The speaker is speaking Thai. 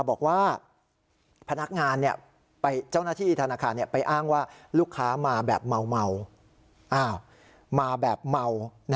บอกว่าเจ้าหน้าที่ธนาคารไปอ้างว่าลูกค้ามาแบบเมา